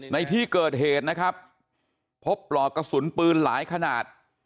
ในที่เกิดเหตุนะครับพบปลอกกระสุนปืนหลายขนาด